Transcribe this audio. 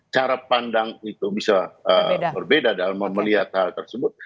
cara pandang itu bisa berbeda dalam melihat hal tersebut